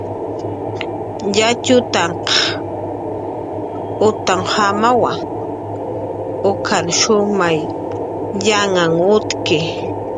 Yatxutanq utnjamawa, ukan shumay yanhan utki